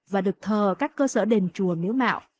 và được thờ các cơ sở đền chùa miếu mạo